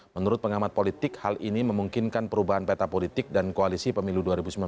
menurut pengamat politik hal ini memungkinkan perubahan peta politik dan koalisi pemilu dua ribu sembilan belas